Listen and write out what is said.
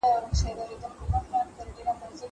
زه مخکي ليکلي پاڼي ترتيب کړي وو!